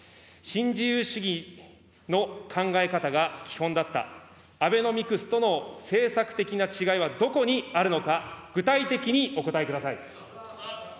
新自由主義の考え方が基本だったアベノミクスとの政策的な違いはどこにあるのか、具体的にお答えください。